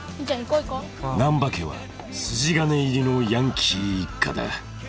［難破家は筋金入りのヤンキー一家だ］